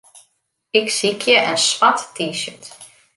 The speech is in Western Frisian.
Ik sykje in swart T-shirt.